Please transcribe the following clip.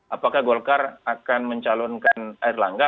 apakah golkar akan mencalonkan erlangga